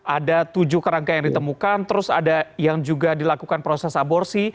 ada tujuh kerangka yang ditemukan terus ada yang juga dilakukan proses aborsi